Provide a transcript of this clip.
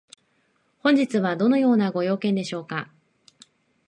本日はどのようなご用件でしょうか？